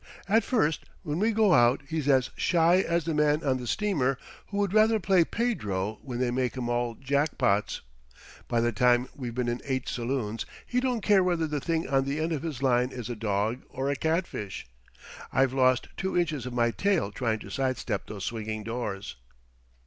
At first when we go out he's as shy as the man on the steamer who would rather play pedro when they make 'em all jackpots. By the time we've been in eight saloons he don't care whether the thing on the end of his line is a dog or a catfish. I've lost two inches of my tail trying to sidestep those swinging doors."